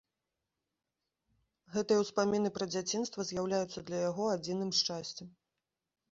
Гэтыя ўспаміны пра дзяцінства з'яўляюцца для яго адзіным шчасцем.